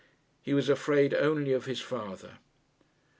He was afraid only of his father.